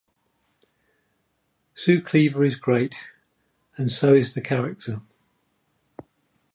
Sue Cleaver is great and so is the character.